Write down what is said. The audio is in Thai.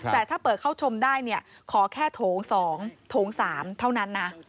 แต่ถ้าเปิดเข้าชมได้เนี่ยขอแค่โถง๒โถง๓เท่านั้นนะ